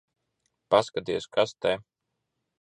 Paskaties, kas te...